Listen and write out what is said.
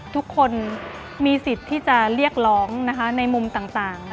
ทุกคนมีสิทธิ์ที่จะเรียกร้องในมุมต่าง